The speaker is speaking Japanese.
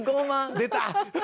出た！